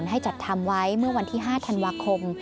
ให้จัดทำไว้เมื่อวันที่๕ธันวาคม